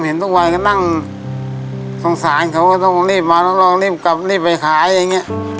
เห็นทุกวันก็นั่งสงสารเขาก็ต้องรีบมารับรองรีบกลับรีบไปขายอย่างเงี้ย